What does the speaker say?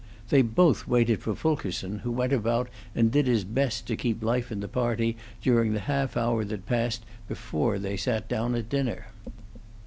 They both waited for Fulkerson, who went about and did his best to keep life in the party during the half hour that passed before they sat down at dinner.